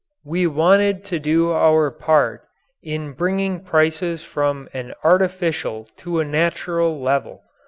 We wanted to do our part in bringing prices from an artificial to a natural level.